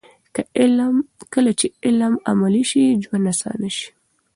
کله چې علم عملي شي، ژوند اسانه شي.